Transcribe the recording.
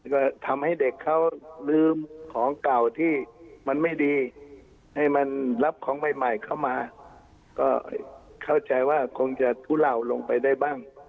ก็ทำให้เด็กเขาลืมของเก่าที่มันไม่ดีให้มันรับของใหม่ใหม่เข้ามาก็เข้าใจว่าคงจะทุเลาลงไปได้บ้าง